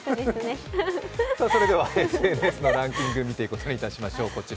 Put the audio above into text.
それではＳＮＳのランキングを見ていくことにいたしましょう。